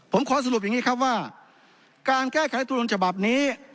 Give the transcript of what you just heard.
ผมขอสรุปแบบนี้ครับว่าการแก้ไขตัวลงจบับนี้